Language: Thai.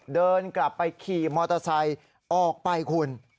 เดินกลับไปขี่มอเตอร์ไซค์ออกไปคุณ